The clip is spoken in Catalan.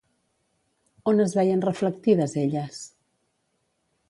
On es veien reflectides elles?